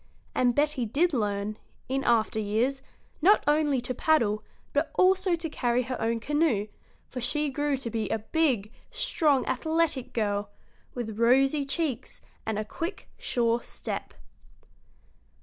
And Betty did learn, in after years, not only to paddle, but also to carry her own canoe, for she grew to be a big, strong, athletic girl, with rosy cheeks and a quick, sure step.